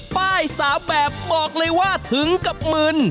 ป้าย๓แบบบอกเลยว่าถึงกับมึน